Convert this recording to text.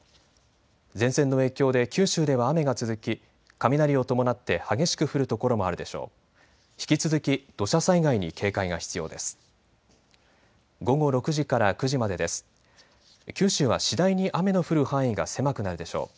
前線の影響で九州では雨が続き雷を伴って激しく降る所もあるでしょう。